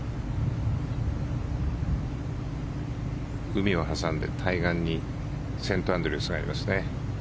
海を挟んで対岸にセントアンドリュースがありますね。